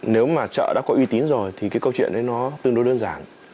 nếu mà chợ đã có uy tín rồi thì cái câu chuyện đấy nó tương đối đơn giản